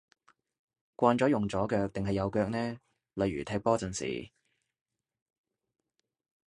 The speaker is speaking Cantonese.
慣用左腳定係右腳呢？例如踢波陣時